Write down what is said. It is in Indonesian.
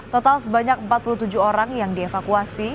total sebanyak empat puluh tujuh orang yang dievakuasi